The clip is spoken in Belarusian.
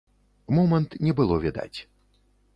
Момант не было відаць.